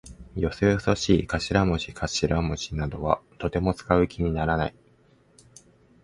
よそよそしい頭文字かしらもじなどはとても使う気にならない。